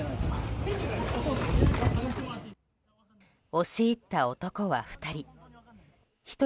押し入った男は２人。